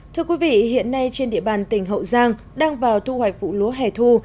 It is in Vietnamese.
thưa quý vị hiện nay trên địa bàn tỉnh hậu giang đang vào thu hoạch vụ lúa hẻ thu